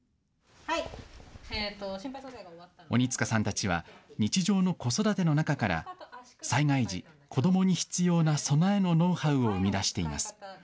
鬼塚さんたちは日常の子育ての中から災害時、子どもに必要な備えのノウハウを生み出しています。